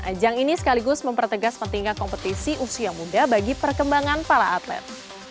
ajang ini sekaligus mempertegas pentingnya kompetisi usia muda bagi perkembangan para atlet